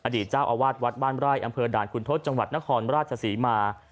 เจ้าอาวาสวัดบ้านไร่อำเภอด่านคุณทศจังหวัดนครราชศรีมา